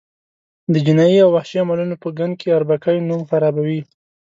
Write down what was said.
د جنایي او وحشي عملونو په ګند کې اربکي نوم خرابوي.